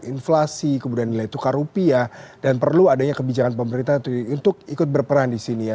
inflasi kemudian nilai tukar rupiah dan perlu adanya kebijakan pemerintah untuk ikut berperan di sini ya